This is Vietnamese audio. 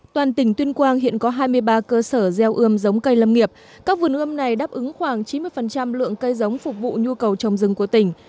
toàn tỉnh tuyên quang hiện có hai mươi ba cơ sở gieo ươm giống cây lâm nghiệp các vườn ươm này đáp ứng khoảng chín mươi lượng cây giống phục vụ nhu cầu trồng rừng của tỉnh